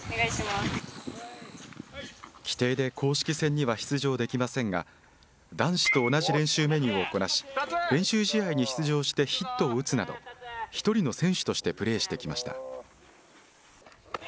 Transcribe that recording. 規定で公式戦には出場できませんが、男子と同じ練習メニューをこなし、練習試合に出場してヒットを打つなど、一人の選手としてプレーしてきました。